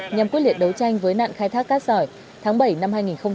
nhằm quyết liệt đấu tranh với nạn khai thác cát sỏi tháng bảy năm hai nghìn một mươi chín